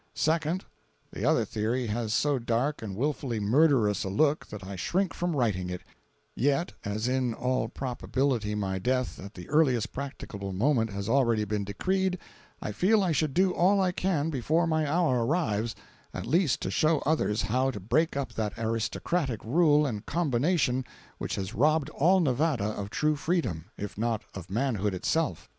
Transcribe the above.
Second—The other theory has so dark and wilfully murderous a look that I shrink from writing it, yet as in all probability my death at the earliest practicable moment has already been decreed, I feel I should do all I can before my hour arrives, at least to show others how to break up that aristocratic rule and combination which has robbed all Nevada of true freedom, if not of manhood itself.